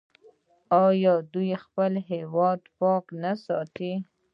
آیا دوی خپل هیواد پاک نه ساتي؟